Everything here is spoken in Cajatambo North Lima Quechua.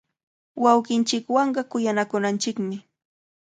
Wawqinchikwanqa kuyanakunanchikmi.